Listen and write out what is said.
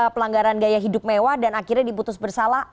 pelanggaran gaya hidup mewah dan akhirnya diputus bersalah